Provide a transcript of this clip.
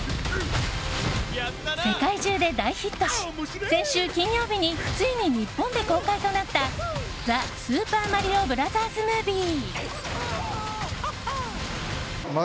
世界中で大ヒットし先週金曜日についに日本で公開となった「ザ・スーパーマリオブラザーズ・ムービー」。